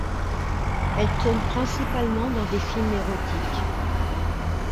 Elle tourne principalement dans des films érotiques.